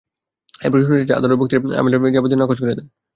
এরপর শুনানি শেষে আদালত বখতিয়ার আলমের জামিন আবেদন নাকচ করে দেন।